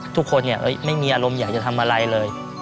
ทุกคนไม่มีอารมณ์อยากจะทำอะไรเลย